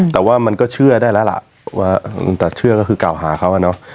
แต่ว่ามันก็เชื่อได้แล้วล่ะว่าแต่เชื่อก็คือกล่าวหาเขาอะเนาะ